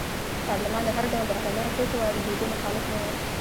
پارلمان د هر ډول بهرنیو توکو واردېدو مخالف نه و.